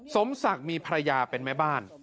สมศักดิ์มีภรรยาเป็นแม่บ้าน